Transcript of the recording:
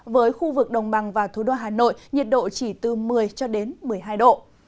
với khu vực đồng bằng và thủ đô hà nội nhiệt độ chỉ từ một mươi cho đến một mươi hai độ